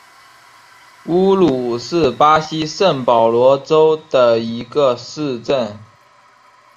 乌鲁是巴西圣保罗州的一个市镇。